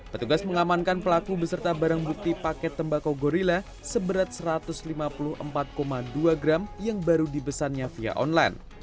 petugas mengamankan pelaku beserta barang bukti paket tembakau gorilla seberat satu ratus lima puluh empat dua gram yang baru dibesannya via online